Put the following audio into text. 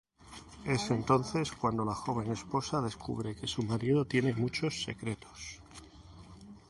Es entonces cuando la joven esposa descubre que su marido tiene muchos secretos...